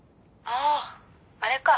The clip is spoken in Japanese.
あああれか。